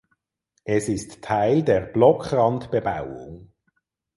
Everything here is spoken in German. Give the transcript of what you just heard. Es ist Teil der Blockrandbebauung.